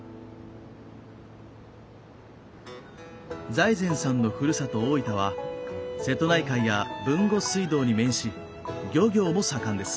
財前さんのふるさと大分は瀬戸内海や豊後水道に面し漁業も盛んです。